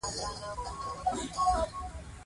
بالاخره د خپلې رايې په زور یې له جنګ او افراطیت څخه.